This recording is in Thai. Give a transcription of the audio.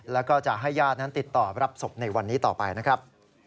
แล้วก็จะให้ญาตินั้นติดต่อรับศพในวันนี้ต่อไปนะครับ